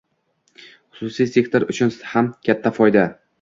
Xususiy sektor uchun ham katta foyda.